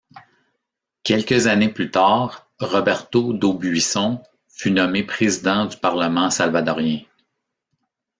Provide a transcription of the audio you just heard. Quelques années plus tard, Roberto d'Aubuisson fut nommé président du Parlement salvadorien.